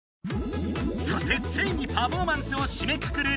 そしてついにパフォーマンスをしめくくる